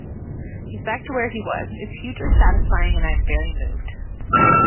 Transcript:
He's back to where he was; it's hugely satisfying and I am very moved.